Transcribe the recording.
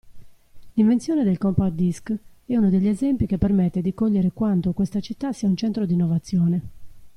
L'invenzione del Compact Disc è uno degli esempi che permette di cogliere quanto questa città sia un centro di innovazione.